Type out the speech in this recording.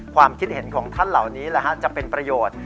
ความคิดเห็นของท่านเหล่านี้จะเป็นประโยชน์